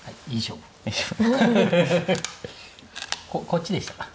こっちでしたか？